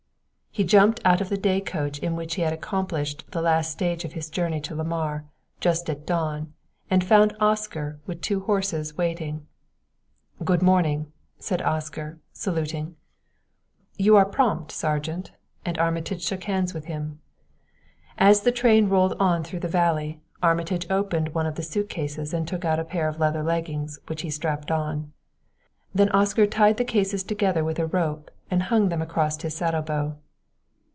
He jumped out of the day coach in which he had accomplished the last stage of his journey to Lamar, just at dawn, and found Oscar with two horses waiting. "Good morning," said Oscar, saluting. "You are prompt, Sergeant," and Armitage shook hands with him. As the train roared on through the valley, Armitage opened one of the suit cases and took out a pair of leather leggings, which he strapped on. Then Oscar tied the cases together with a rope and hung them across his saddle bow.